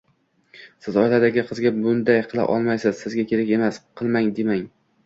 Siz oiladagi qizga bunday qila olmaysiz, sizga kerak emas, qilmang, demang